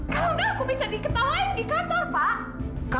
kalau tidak saya bisa ditawa di kantor pak